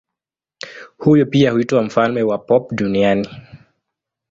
Huyu pia huitwa mfalme wa pop duniani.